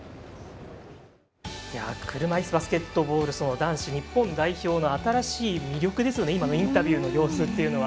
車いすバスケットボール男子日本代表の新しい魅力、今のインタビューの様子というのは。